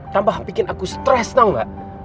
tambah bikin aku stres dong